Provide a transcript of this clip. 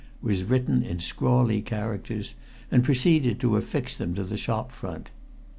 was written in scrawly characters, and proceeded to affix them to the shop front.